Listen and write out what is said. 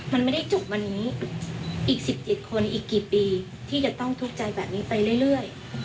มันไม่ได้จบวันนี้อีก๑๗คนอีกกี่ปีที่จะต้องทุกข์ใจแบบนี้ไปเรื่อย